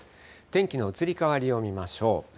天気の移り変わりを見ましょう。